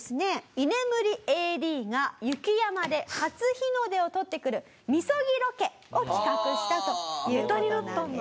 居眠りＡＤが雪山で初日の出を撮ってくる禊ロケを企画したという事なんです。